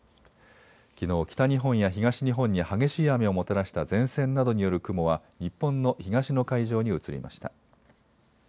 きのう北日本や東日本に激しい雨をもたらした前線などによる雲は日本の東の海上に移りました。